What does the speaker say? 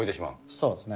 そうですね。